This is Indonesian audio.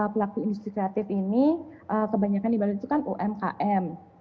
pelaku industri kreatif ini kebanyakan dibalikkan umkm